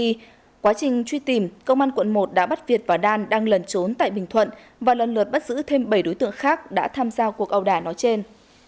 trong khi quá trình truy tìm công an quận một đã bắt việt và đan đang lẩn trốn tại bình thuận và lần lượt bắt giữ thêm bảy đối tượng khác đã tham gia cuộc ẩu đả nói trên